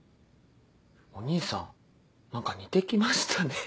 お義兄さん何か似てきましたね。